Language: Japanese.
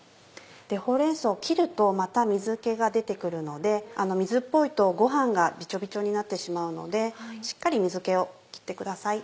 ほうれん草を切るとまた水気が出て来るので水っぽいとご飯がびちょびちょになってしまうのでしっかり水気を切ってください。